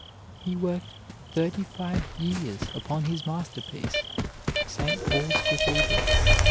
He worked thirty five years upon his master piece, St. Paul's Cathedral.